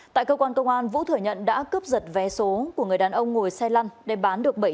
tại cơ quan công an vũ thừa nhận đã cấp giật vé số của người đàn ông ngồi xe lăn để bán được